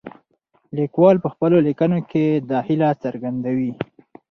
لیکوال په خپلو لیکنو کې دا هیله څرګندوي.